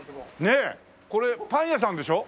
これパン屋さんでしょ？